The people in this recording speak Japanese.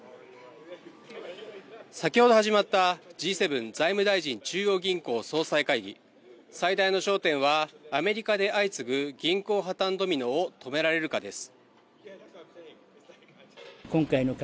先ほど始まったＧ７財務大臣・中央銀行総裁会議、最大の焦点はアメリカで相次ぐ銀行破綻ドミノを止められるかです。